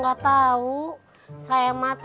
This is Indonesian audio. kalau kamu despacito